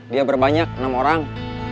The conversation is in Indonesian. dia berbanyak enam orang